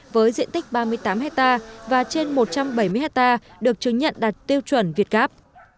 với diện tích ba mươi tám hectare và trên một trăm bảy mươi hectare được chứng nhận đạt tiêu chuẩn việt gáp